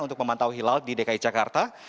untuk memantau hilal di dki jakarta